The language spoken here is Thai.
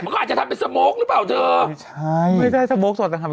ก็อาจจะทำเป็นสโมคหรือเปล่าเธอ